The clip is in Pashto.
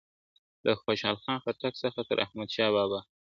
له خوشحال خان خټک څخه تر احمدشاه بابا !.